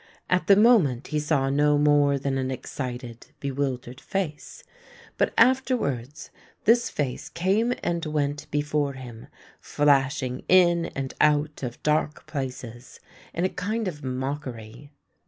At the moment he saw no more than an excited, bewildered face, but afterwards this face came and went before him, flashing in and out of dark places in a kind of mockery.